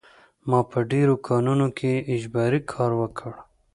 ما په ډېرو کانونو کې اجباري کار وکړ